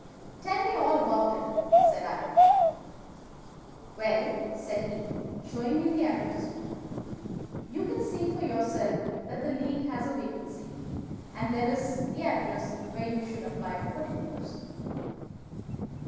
"'Tell me all about it,' said I. "'Well,' said he, showing me the advertisement, 'you can see for yourself that the League has a vacancy, and there is the address where you should apply for particulars.